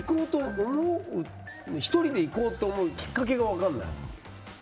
１人で行こうと思うきっかけが分からない。